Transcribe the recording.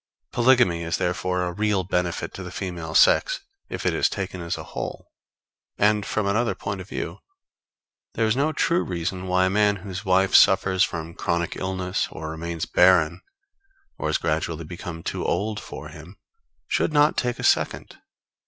Polygamy is therefore a real benefit to the female sex if it is taken as a whole. And, from another point of view, there is no true reason why a man whose wife suffers from chronic illness, or remains barren, or has gradually become too old for him, should not take a second.